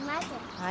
はい。